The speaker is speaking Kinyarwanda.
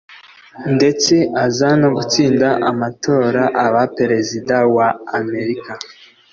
ndetse aza no gutsinda amatora aba Perezida wa Amerika